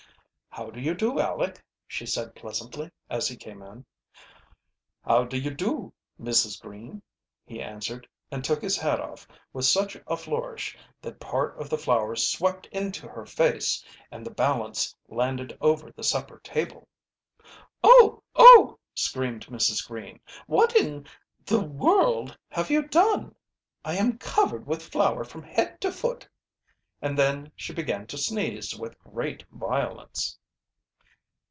"How do you do, Aleck," she said pleasantly, as he came in. "How do yo' do, Missus Green," he answered, and took his hat off with such a flourish that part of the flour swept into her face and the balance landed over the supper table. "Oh! oh!" screamed Mrs. Green. "What in the world have you done? I am covered with flour from head to foot!" And then she began to sneeze with great violence.